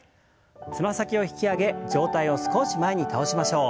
つま先を引き上げ上体を少し前に倒しましょう。